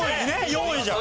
４位じゃん。